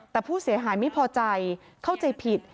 แต่ผู้เสียหายไม่พอใจเข้าใจผิด